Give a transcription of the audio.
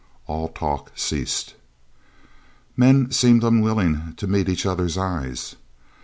All talk ceased. Men seemed unwilling to meet each other's eyes.